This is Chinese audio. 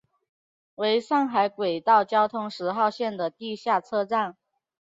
为上海轨道交通十号线的地下车站。